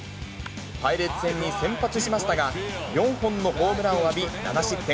パイレーツ戦に先発しましたが、４本のホームランを浴び、７失点。